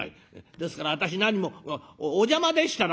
「ですから私何もお邪魔でしたら」。